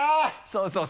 そうそう。